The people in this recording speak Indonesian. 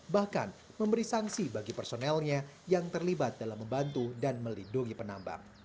bahkan memberi sanksi bagi personelnya yang terlibat dalam membantu dan melindungi penambang